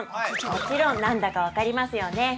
もちろん何だか分かりますよね。